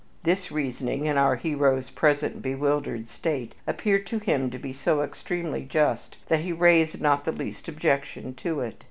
This reasoning, in our hero's present bewildered state, appeared to him to be so extremely just that he raised not the least objection to it.